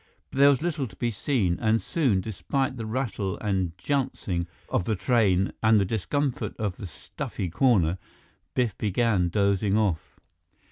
But there was little to be seen, and soon, despite the rattle and jouncing of the train and the discomfort of the stuffy corner, Biff began dozing off.